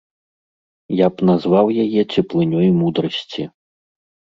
Я б назваў яе цеплынёй мудрасці.